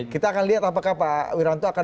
kita akan lihat apakah pak wiranto akan